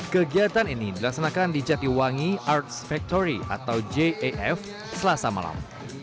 kegiatan ini dilaksanakan di jatiwangi arts factory atau jaf selasa malam